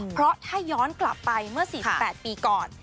เพราะถ้าย้อนกลับไปเมื่อ๔๘ปีก่อน